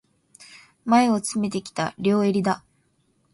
前を詰めてきた、両襟だ。